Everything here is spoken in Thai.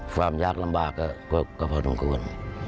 ความยากลำบากก็พอสมควร